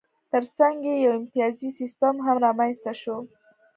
ترڅنګ یې یو امتیازي سیستم هم رامنځته شو